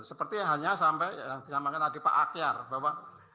seperti halnya sampai yang dijamankan tadi pak akyar bahwa